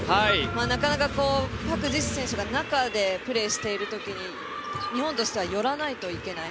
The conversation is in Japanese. なかなかパク・ジス選手が中でプレーしているときに日本としては寄らないといけない。